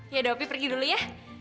ya udah opi pergi dulu ya